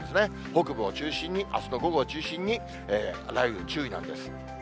北部を中心に、あすの午後を中心に雷雨に注意なんです。